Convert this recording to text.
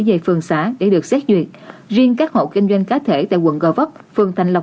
về phường xã để được xét duyệt riêng các hộ kinh doanh cá thể tại quận gò vấp phường thành lộc